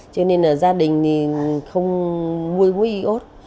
cho nên là gia đình thì không mua muối iốt